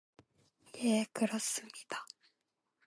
예, 그렇습니다.